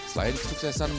selain kesuksesan asean games